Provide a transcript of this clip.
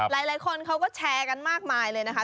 หลายคนเขาก็แชร์กันมากมายเลยนะคะ